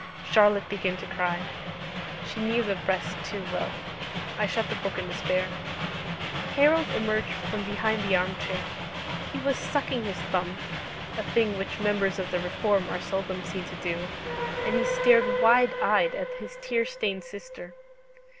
Charlotte began to cry: she knew the rest too well. I shut the book in despair. Harold emerged from behind the arm chair. He was sucking his thumb (a thing which members of the Reform are seldom seen to do), and he stared wide eyed at his tear stained sister.